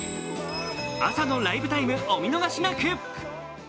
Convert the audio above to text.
朝のライブＴＩＭＥ、お見逃しなく！